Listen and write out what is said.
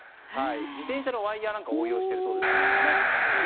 自転車のワイヤなんかを応用しているそうです。